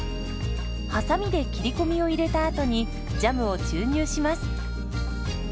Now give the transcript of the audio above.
はさみで切り込みを入れたあとにジャムを注入します。